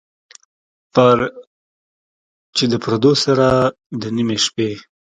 چې د پردو سره، د نیمې شپې،